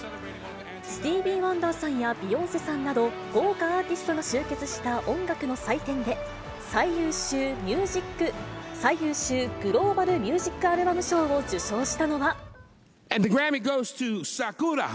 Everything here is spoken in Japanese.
スティーヴィー・ワンダーさんやビヨンセさんなど、豪華アーティストが集結した音楽の祭典で、最優秀グローバル・ミュージック・アルバム賞を受賞したのは。